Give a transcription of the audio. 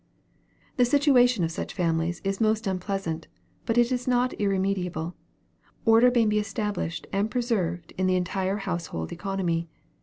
The situation of such families is most unpleasant, but it is not irremediable. Order may be established and preserved in the entire household economy.